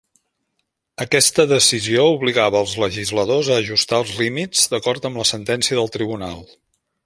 Aquesta decisió obligava els legisladors a ajustar els límits d'acord amb la sentència del Tribunal.